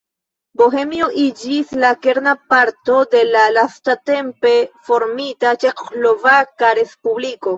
Bohemio iĝis la kerna parto de la lastatempe formita Ĉeĥoslovaka Respubliko.